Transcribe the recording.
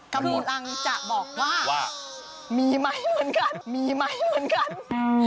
กำลังจะบอกว่ามีไหมเหมือนกันมีไหมเหมือนกันอืม